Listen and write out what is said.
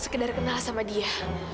sekedar kenal sama dia